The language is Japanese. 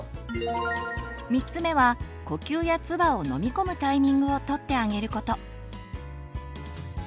３つ目は呼吸やつばを飲み込むタイミングをとってあげること。